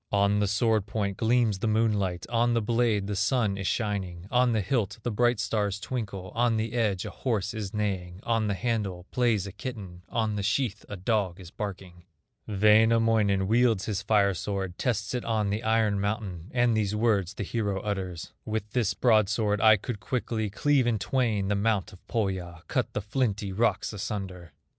On the sword point gleams the moonlight, On the blade the sun is shining, On the hilt the bright stars twinkle, On the edge a horse is neighing, On the handle plays a kitten, On the sheath a dog is barking. Wainamoinen wields his fire sword, Tests it on the iron mountain, And these words the hero utters: "With this broadsword I could quickly Cleave in twain the mount of Pohya, Cut the flinty rocks asunder."